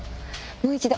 もう一度。